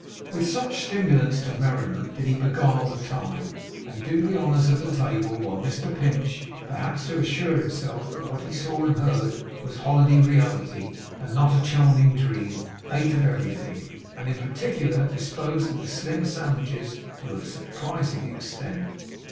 With such stimulants to merriment did he beguile the time, and do the honours of the table; while Mr Pinch, perhaps to assure himself that what he saw and heard was holiday reality, and not a charming dream, ate of everything, and in particular disposed of the slim sandwiches to a surprising extent.